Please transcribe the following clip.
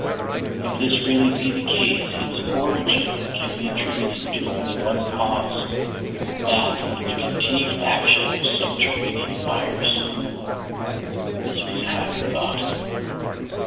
If this really be the case, its origin can be attributed to only one cause that of the continued action of subterranean fires. This was a happy thought.